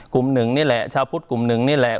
กลุ่มหนึ่งนี่แหละชาวพุทธกลุ่มหนึ่งนี่แหละ